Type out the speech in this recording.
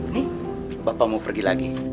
nih bapak mau pergi lagi